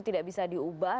tidak bisa diubah